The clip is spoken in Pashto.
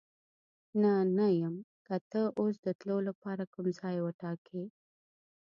نه، نه یم، که ته اوس د تلو لپاره کوم ځای وټاکې.